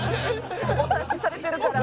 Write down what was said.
お察しされてるから。